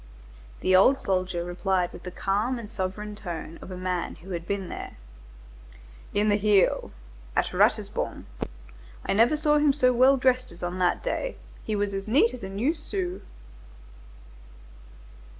The old soldier replied with the calm and sovereign tone of a man who had been there:— "In the heel. At Ratisbon. I never saw him so well dressed as on that day. He was as neat as a new sou."